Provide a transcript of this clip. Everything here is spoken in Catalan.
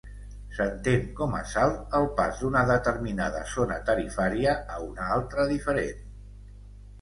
S'entén com a salt el pas d'una determinada zona tarifària a una altra diferent.